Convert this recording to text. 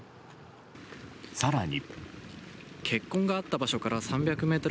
更に。